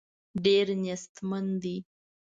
ډېر نېستمن دي.